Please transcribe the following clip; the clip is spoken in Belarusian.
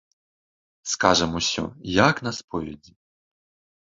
Скажам усё, як на споведзі.